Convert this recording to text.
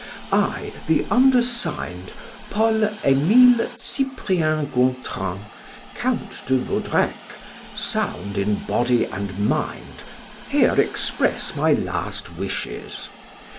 "'I, the undersigned, Paul Emile Cyprien Gontran, Count de Vaudrec, sound both in body and mind, here express my last wishes.